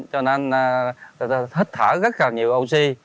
cho nên thích thở rất là nhiều oxy